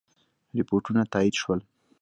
رپوټونه تایید شول.